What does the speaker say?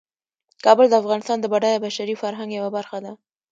کابل د افغانستان د بډایه بشري فرهنګ یوه برخه ده.